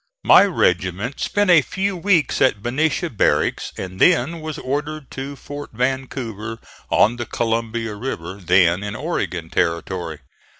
My regiment spent a few weeks at Benicia barracks, and then was ordered to Fort Vancouver, on the Columbia River, then in Oregon Territory.